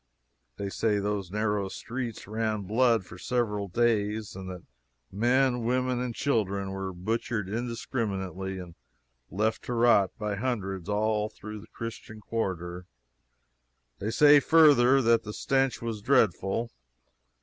They say those narrow streets ran blood for several days, and that men, women and children were butchered indiscriminately and left to rot by hundreds all through the Christian quarter; they say, further, that the stench was dreadful.